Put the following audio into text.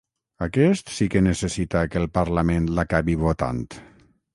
Aquest sí que necessita que el parlament l’acabi votant.